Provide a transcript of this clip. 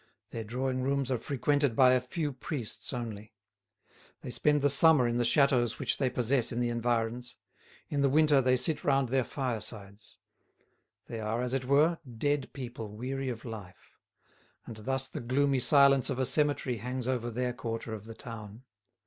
Their drawing rooms are frequented by a few priests only. They spend the summer in the chateaux which they possess in the environs; in the winter, they sit round their firesides. They are, as it were, dead people weary of life. And thus the gloomy silence of a cemetery hangs over their quarter of the town.